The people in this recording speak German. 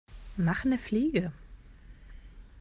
Mach 'ne Fliege!